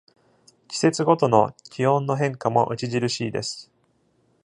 季節ごとの気温の変化も著しいです。